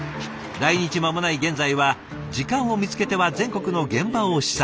来日間もない現在は時間を見つけては全国の現場を視察。